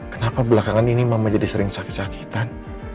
kenapa belakangan ini mama jadi sering sakit sakitan